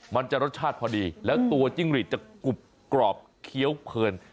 มันจะรสชาติพอดีแล้วตัวจิ้งหลีดจะกรุบกรอบเคี้ยวเพลิน